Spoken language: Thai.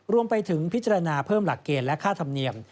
รวมไปถึงพิจารณาเพิ่มหลักเกณฑ์และค่าธรรมเนียม